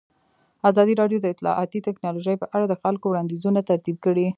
ازادي راډیو د اطلاعاتی تکنالوژي په اړه د خلکو وړاندیزونه ترتیب کړي.